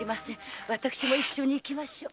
私も一緒に行きましょう。